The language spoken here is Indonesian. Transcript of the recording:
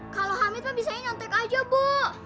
kalau hamid pak biasanya nyontek aja bu